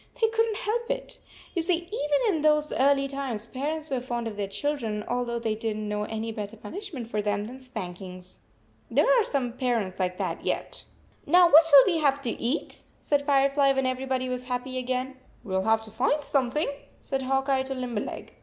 They couldn t help it You see, even in those early times parents were fond of 55 their children, although they did n t know any better punishment for them than spank ings. There are some parents like that yet. " Now, what shall we have to eat? " said Firefly, when everybody was happy again. "We ll have to find something," said Hawk Eye to Limberleg.